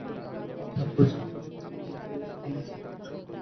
তাই পরিচয় প্রকাশিত হওয়ার ভয়ে পর্নো সাইটে প্রবেশ থেকে অনেকে বিরত থাকবে।